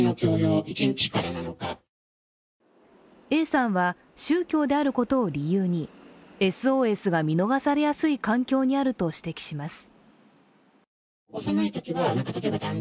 Ａさんは宗教であることを理由にＳＯＳが見逃されやすい環境にあると指摘します。